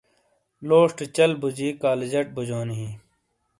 لوشٹی چل بوجی کالجٹ بوجونی ہیں